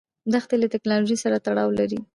دښتې له تکنالوژۍ سره تړاو لري.